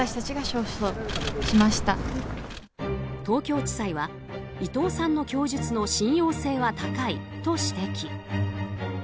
東京地裁は伊藤さんの供述の信用性は高いと指摘。